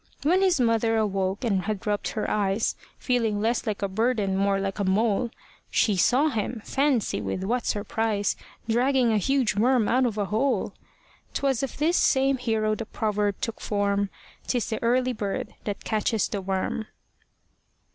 When his mother awoke and had rubbed her eyes, Feeling less like a bird, and more like a mole, She saw him fancy with what surprise Dragging a huge worm out of a hole! 'Twas of this same hero the proverb took form: 'Tis the early bird that catches the worm.